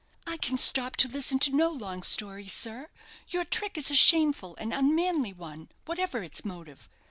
"I can stop to listen to no long stories, sir. Your trick is a shameful and unmanly one, whatever its motive.